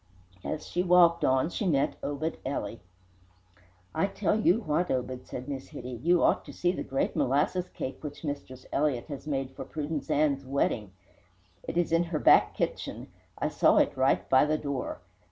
As she walked on she met Obed Ely. "I tell you what, Obed," said Miss Hitty, "you ought to see the great molasses cake which Mistress Elliott has made for Prudence Ann's wedding. It is in her back kitchen. I saw it right by the door.